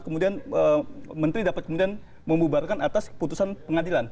kemudian menteri dapat kemudian membubarkan atas putusan pengadilan